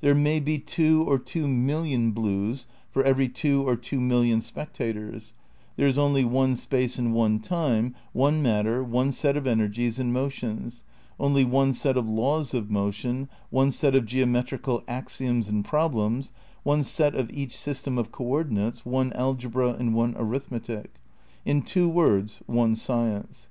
There may be two or two inillion blues for every two or two million spectators, there is only one space and one time, one matter, one set of energies and motions, only one set of laws of motion, one set of geo metrical axioms and problems, one set of each system of co ordinates, one algebra and one arithmetic ; in two words, one science.